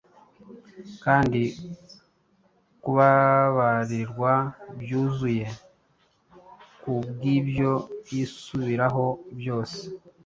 Kandi kubabarirwa byuzuye kubwibyo yisubiraho byose